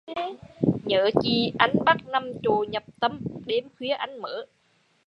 Nhớ chị, anh bắt nằm chộ nhập tâm, đêm khuya anh mớ